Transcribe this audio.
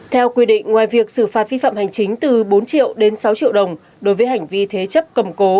theo quy định ngoài việc xử phạt vi phạm hành chính từ bốn triệu đến sáu triệu đồng đối với hành vi thế chấp cầm cố